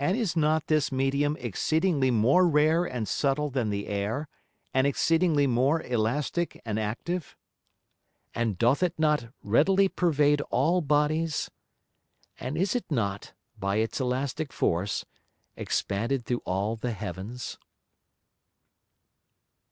And is not this Medium exceedingly more rare and subtile than the Air, and exceedingly more elastick and active? And doth it not readily pervade all Bodies? And is it not (by its elastick force) expanded through all the Heavens?